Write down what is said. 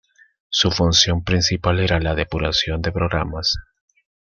Su función principal era la depuración de programas.